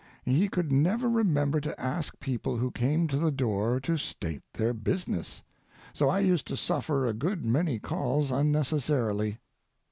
He could never remember to ask people who came to the door to state their business. So I used to suffer a good many calls unnecessarily.